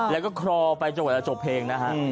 แล้วก็คลอไปจบเพลงนะฮะ